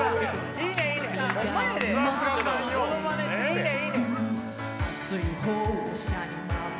いいねんいいねん。